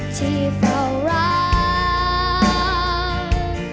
ที่เฝ้ารัก